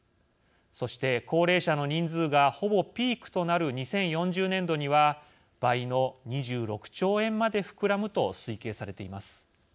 そして高齢者の人数がほぼピークとなる２０４０年度には倍の２６兆円まで膨らむと推計されています。